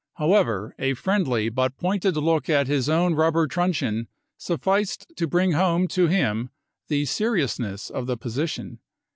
However, a friendly but pointed look at his own rubber truncheon sufficed to bring home to him the seriousness of the position."